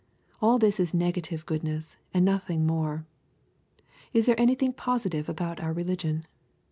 All this is negative goodness, and nothing more. Is there anything positive about our religion